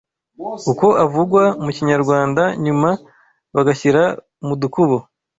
uko avugwa mu Kinyarwanda nyuma bagashyira mu dukubo